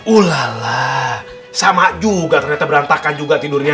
ulalah sama juga ternyata berantakan juga tidurnya